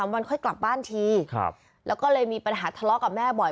วันค่อยกลับบ้านทีแล้วก็เลยมีปัญหาทะเลาะกับแม่บ่อย